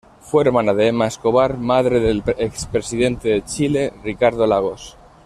Fue hermana de Ema Escobar, madre del expresidente de Chile Ricardo Lagos.